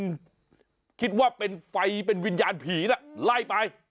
คุณคิดว่าเป็นไฟเป็นวิญญาณผีน่ะไล่ไป